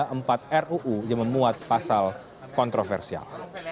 ada empat ruu yang memuat pasal kontroversial